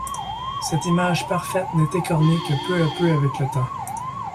Cette image parfaite n'est écornée que peu à peu avec le temps.